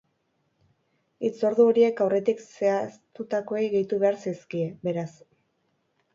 Hitzordu horiek aurretik zehaztutakoei gehitu behar zaizkie, beraz.